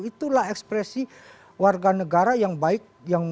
itulah ekspresi warga negara yang baik